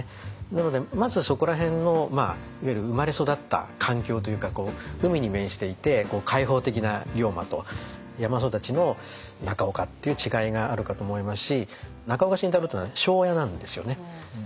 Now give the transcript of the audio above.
なのでまずそこら辺のいわゆる生まれ育った環境というか海に面していて開放的な龍馬と山育ちの中岡っていう違いがあるかと思いますし中岡慎太郎っていうのは庄屋なんですよね。